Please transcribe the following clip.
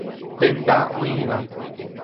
Tenda oĩva.